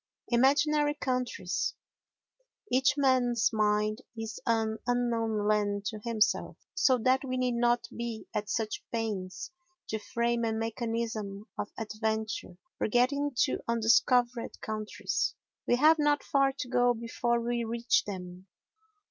Imaginary Countries Each man's mind is an unknown land to himself, so that we need not be at such pains to frame a mechanism of adventure for getting to undiscovered countries. We have not far to go before we reach them.